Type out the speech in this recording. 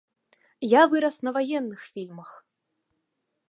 Я вырас на ваенных фільмах.